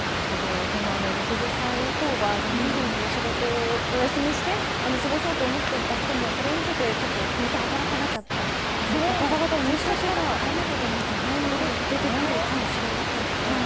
でも６０歳以降はのんびり仕事をお休みして過ごそうと思っていた人もこれを受けてちょっともう１回働かなきゃといった方々も人生設計を変えなきゃいけない人も出てくるでしょうね。